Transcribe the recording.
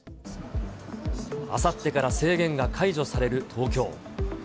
あさってから制限が解除される東京。